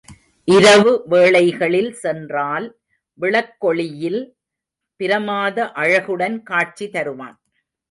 இரவு வேளைகளில் சென்றால் விளக்கொளியில் பிரமாத அழகுடன் காட்சி தருவான்.